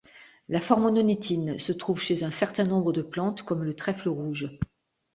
La formononétine se trouve chez un certain nombre de plantes, comme le trèfle rouge.